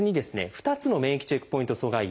２つの免疫チェックポイント阻害薬